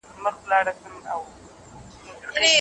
که قیماق چای وڅښو نو ژمی نه یخیږو.